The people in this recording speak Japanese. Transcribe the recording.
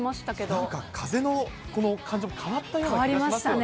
何か風の感じも変わったような気もしますよね。